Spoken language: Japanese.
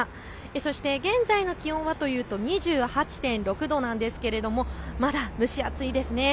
そして現在の気温はというと２８．６度なんですけれどもまだ蒸し暑いですね。